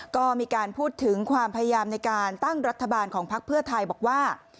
ก็มีการพูดถึงความพยายามในการตั้งรัฐบาลของพักเพื่อไทยบอกว่า